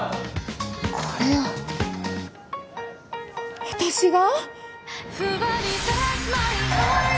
これを私が？